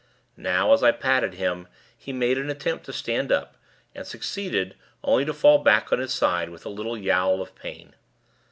Now, as I patted him, he made an attempt to stand up, and succeeded, only to fall back on his side, with a little yowl of pain.